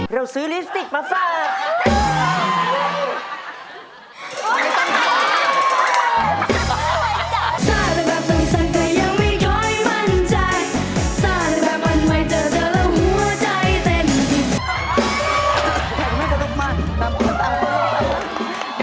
เราซื้อลิปสติกมาเฟิร์ด